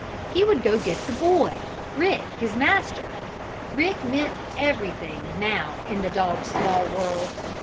He would go get the Boy Rick, his master. Rick meant everything, now, in the dog's small world.